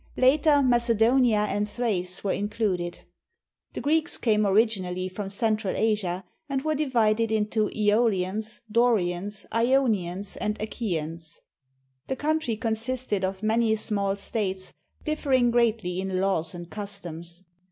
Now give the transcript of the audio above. Later, Macedonia and Thrace were included. The Greeks came originally from Central Asia and were divided into ^Eo lians, Dorians, lonians, and Achaeans. The country consisted of many small states differing greatly in laws and customs.